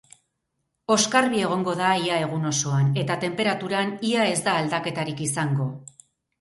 Oskarbi egongo da ia egun osoan eta tenperaturan ia ez da aldaketarik izango.